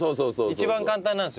一番簡単なんですよね？